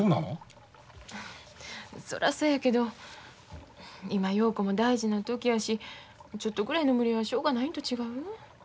そらそうやけど今陽子も大事な時やしちょっとぐらいの無理はしょうがないんと違う？